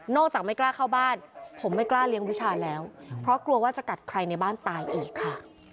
จากไม่กล้าเข้าบ้านผมไม่กล้าเลี้ยงวิชาแล้วเพราะกลัวว่าจะกัดใครในบ้านตายอีกค่ะ